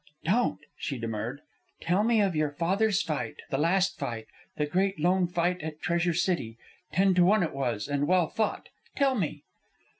"Don't," she demurred. "Tell me of your father's fight, the last fight, the great lone fight at Treasure City. Ten to one it was, and well fought. Tell me."